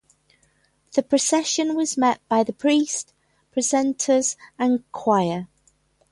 The procession was met by the priest, precentors, and choir.